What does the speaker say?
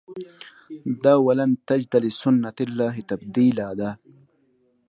دا ولن تجد لسنة الله تبدیلا ده.